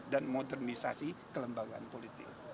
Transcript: dan modernisasi kelembagaan politik